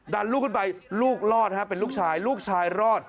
ลูกขึ้นไปลูกรอดเป็นลูกชายลูกชายรอด